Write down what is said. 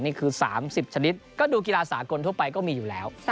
นี่คือ๓๐ชนิดก็ดูกีฬาสากลทั่วไปก็มีอยู่แล้ว